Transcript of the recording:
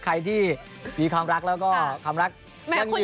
ใครที่มีความรักแล้วก็ความรักแม่งดี